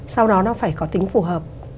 sau đó nó phải có tính phù hợp